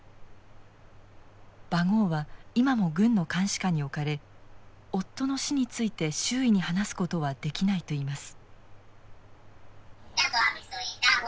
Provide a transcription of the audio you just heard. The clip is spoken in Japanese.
バゴーは今も軍の監視下に置かれ夫の死について周囲に話すことはできないといいます。